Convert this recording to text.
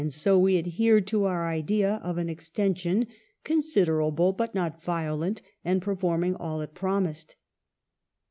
so we adhered to our idea of an extension, considerable but not violent, and per forming all it promised.